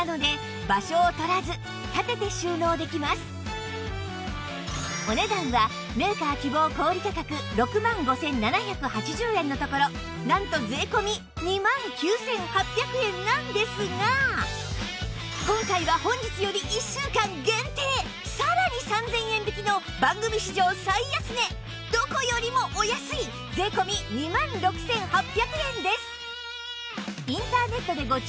さらにお値段はメーカー希望小売価格６万５７８０円のところなんと税込２万９８００円なんですが今回は本日より１週間限定さらに３０００円引きの番組史上最安値どこよりもお安い税込２万６８００円です